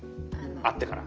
会ってから？